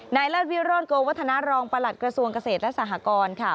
เลิศวิโรธโกวัฒนารองประหลัดกระทรวงเกษตรและสหกรค่ะ